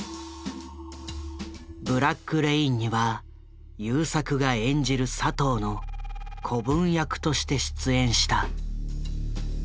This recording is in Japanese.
「ブラック・レイン」には優作が演じる佐藤の子分役として出演した。